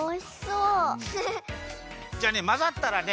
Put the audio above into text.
じゃあねまざったらね